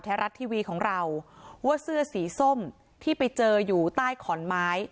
รัฐทีวีของเราว่าเสื้อสีส้มที่ไปเจออยู่ใต้ขอนไม้